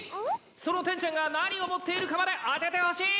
そのテンちゃんが何を持っているかまで当ててほしい！